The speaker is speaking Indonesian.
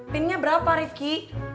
pinnya berapa rifqi